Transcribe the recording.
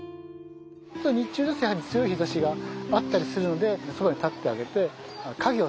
日中だとやはり強い日ざしあったりするのでそばに立ってあげて影を作ってあげる。